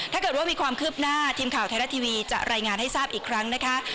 ถ้าเกิดว่ามีความคืบหน้าทีมข่าวไทยรัฐทีวีจะรายงานให้ทราบอีกครั้งนะคะ